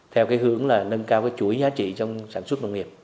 theo hướng nâng cao chuỗi giá trị trong sản xuất nông nghiệp